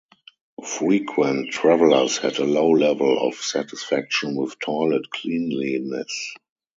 Frequent travellers had a low level of satisfaction with toilet cleanliness.